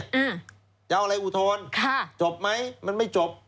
อยากเอาอะไรอุทธรณ์จบไหมมันไม่จบ